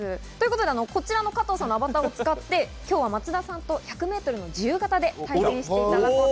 こちらを使って、今日は松田さんと１００ｍの自由形で対戦していただきます。